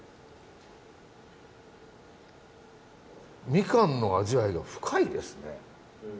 みかんの味わいが深いですね。